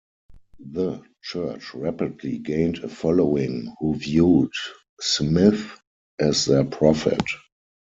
The church rapidly gained a following, who viewed Smith as their prophet.